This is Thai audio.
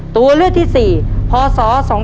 ตัวเลือกที่๔พศ๒๕๖